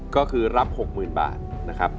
ก็คือรับหกหมื่นบาทนะครับ